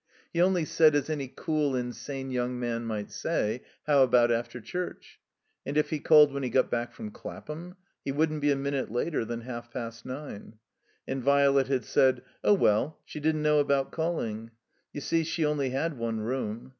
He only said, as any cool and sane young man might say: How about after chtirch? And if he called when he got back from Clapham? He wouldn't be a minute later than half past nine. And Violet had said: Oh, well — she didn't know about calling. You see, she only had one room.